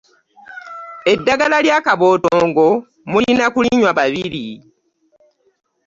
Eddagala lya kabotongo mulira kulinywa babiri.